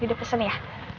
jadi pesen ya